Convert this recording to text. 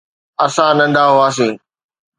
اسان ننڍا هئاسين.